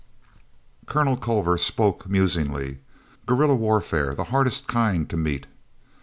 Colonel Culver spoke musingly. "Guerilla warfare, the hardest kind to meet."